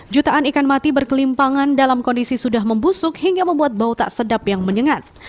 jutaan ikan mati berkelimpangan dalam kondisi sudah membusuk hingga membuat bau tak sedap yang menyengat